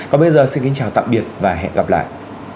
còn bây giờ xin kính chào tạm biệt và hẹn gặp lại